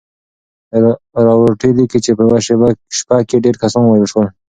راورټي ليکي چې په يوه شپه کې ډېر کسان ووژل شول.